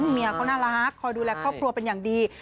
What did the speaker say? เมียเขาน่ารักคอยดูแลครอบครัวเป็นอย่างดี